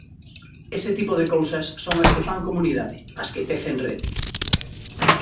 Ese tipo de cousas son as que fan comunidade, as que tecen rede.